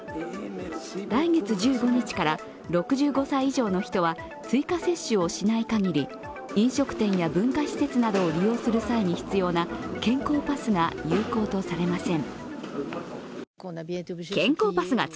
来月１５日から６５歳以上の人は追加接種をしないかぎり、飲食店や文化施設などを利用する際に必要な健康パスが有効とされません。